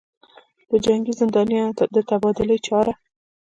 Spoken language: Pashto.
دجنګي زندانیانودتبادلې چاره